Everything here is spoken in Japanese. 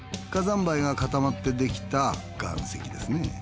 火山灰が固まってできた岩石ですね。